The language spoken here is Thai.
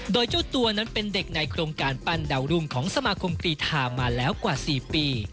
โดยเจ้าตัวนั้นเป็นเด็กในโครงการปั้นดาวรุ่งของสมาคมกรีธามาแล้วกว่า๔ปี